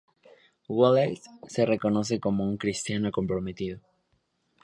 Wallace se reconoce como un cristiano comprometido.